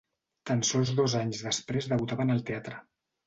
Tan sols dos anys després debutava en el teatre.